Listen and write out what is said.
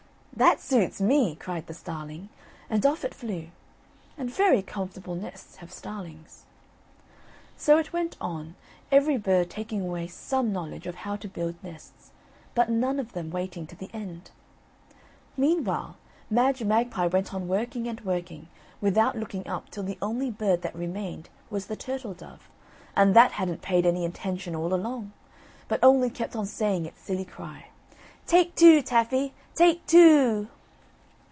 "That suits me," cried the starling, and off it flew; and very comfortable nests have starlings. So it went on, every bird taking away some knowledge of how to build nests, but, none of them waiting to the end. Meanwhile Madge Magpie went on working and working without, looking up till the only bird that remained was the turtle dove, and that hadn't paid any attention all along, but only kept on saying its silly cry "Take two, Taffy, take two o o o."